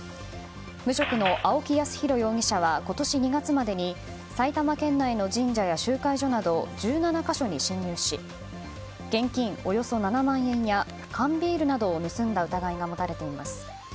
無職の青木康弘容疑者は今年２月までに埼玉県内の神社や集会所など１７か所に侵入し現金およそ７万円や缶ビールなどを盗んだ疑いが持たれています。